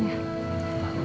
ya ya pak surya